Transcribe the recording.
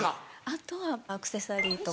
あとはアクセサリーとか。